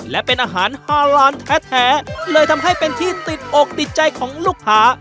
และเป็นอาหารฮาลานแท้เลยทำให้เป็นที่ติดอกติดใจของลูกค้า